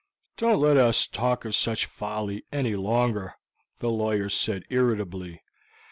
"Don't let us talk of such folly any longer," the lawyer said irritably.